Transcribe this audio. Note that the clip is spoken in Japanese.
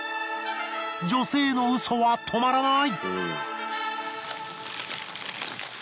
女性のウソは止まらない。